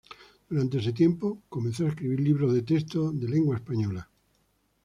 Durante ese tiempo, comenzó a escribir libros de texto de lengua española.